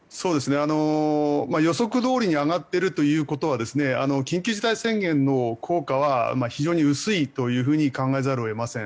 予測どおりに上がっているということは緊急事態宣言の効果は非常に薄いと考えざるを得ません。